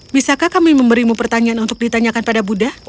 bisakah kami memberimu pertanyaan untuk ditanyakan pada buddha